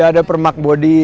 ya ada permak bodi